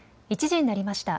１時になりました。